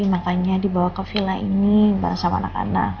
makanya dibawa ke villa ini bareng sama anak anak